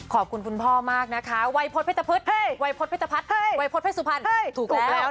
ขอบคุณคุณพ่อมากนะคะวัยพจน์พฤษภัภรรณ์